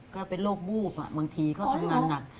ก็เป็นโรควูบบางทีก็ทำงานหนัก